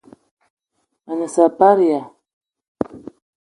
Me ne saparia !